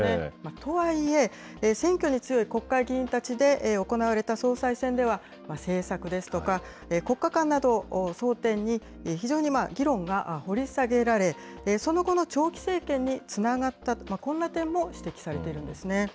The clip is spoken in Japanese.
とはいえ、選挙に強い国会議員たちで行われた総裁選では、政策ですとか、国家観などを争点に、非常に議論が掘り下げられ、その後の長期政権につながったと、こんな点も指摘されているんですね。